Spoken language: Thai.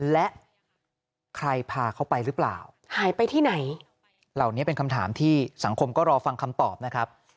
และใครพาเขาไปหรือเปล่าหายไปที่ไหนเหล่านี้เป็นคำถามที่สังคมก็รอฟังคำตอบนะครับ